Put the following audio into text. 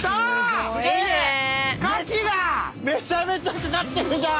めちゃめちゃかかってるじゃん！